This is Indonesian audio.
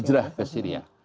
hijrah ke syria